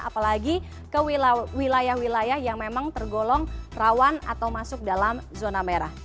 apalagi ke wilayah wilayah yang memang tergolong rawan atau masuk dalam zona merah